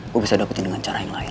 gue bisa dapetin dengan cara yang lain